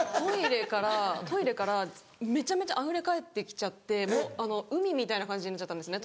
トイレからめちゃめちゃあふれ返ってきちゃってもう海みたいな感じになっちゃったんですね